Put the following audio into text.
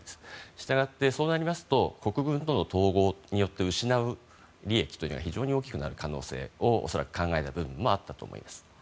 したがって、そうなりますと国軍との統合によって失う利益というのは非常に大きくなる可能性を恐らく考えた部分もあったと思います。